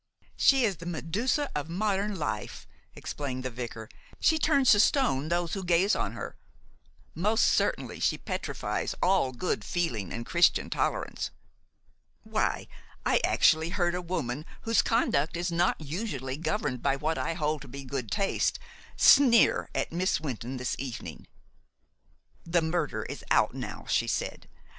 "She is the Medusa of modern life," explained the vicar. "She turns to stone those who gaze on her. Most certainly she petrifies all good feeling and Christian tolerance. Why, I actually heard a woman whose conduct is not usually governed by what I hold to be good taste sneer at Miss Wynton this evening. 'The murder is out now,' she said.